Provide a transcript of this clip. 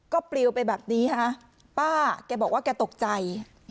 ก็ปลิวไปแบบนี้ฮะป้าแกบอกว่าแกตกใจ